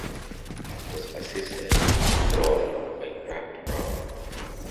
He was assisted in this role by Grant Brown.